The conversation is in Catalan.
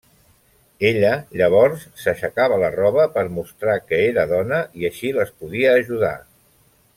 Ella, llavors, s'aixecava la roba per mostrar que era dona i així les podia ajudar.